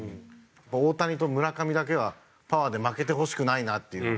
大谷と村上だけはパワーで負けてほしくないなっていうのが。